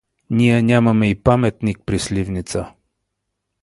Ние нямаме и паметник при Сливница.